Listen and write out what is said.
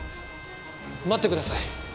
待ってください。